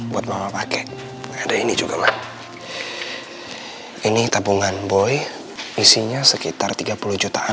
buat mama pakai ada ini juga tabungan boy isinya sekitar tiga puluh jutaan